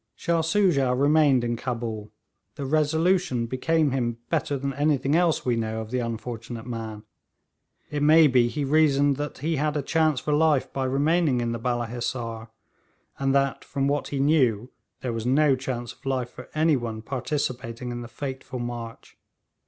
Shah Soojah remained in Cabul. The resolution became him better than anything else we know of the unfortunate man. It may be he reasoned that he had a chance for life by remaining in the Balla Hissar, and that from what he knew, there was no chance of life for anyone participating in the fateful march.